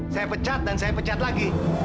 saya pecat dan saya pecat lagi